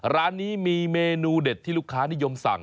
ร้านนี้มีเมนูเด็ดที่ลูกค้านิยมสั่ง